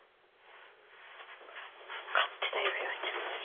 勝手だよ、陽ちゃん。